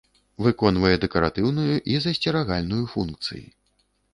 Выконвае дэкаратыўную і засцерагальную функцыі.